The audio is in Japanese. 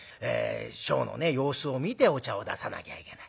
師匠の様子を見てお茶を出さなきゃいけない。